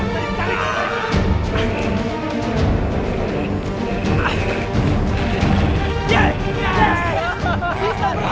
terima kasih vadian terakhir